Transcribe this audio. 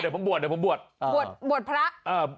เดี๋ยวผมบวชบวชพระ